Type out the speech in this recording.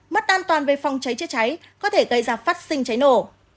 mất an toàn về phòng cháy chữa cháy có thể gây ra phát sinh cháy nổ